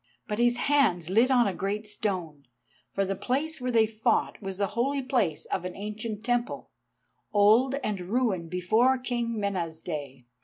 But his hands lit on a great stone, for the place where they fought was the holy place of an ancient temple, old and ruined before King Mena's day.